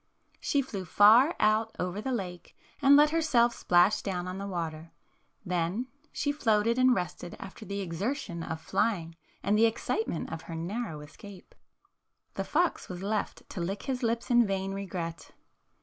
She flew far out over the lake and let her self splash down on the water. Then she floated and rested after the exertion of flying and the excitement of her narrow escape. The fox was left to lick his lips in vain regret.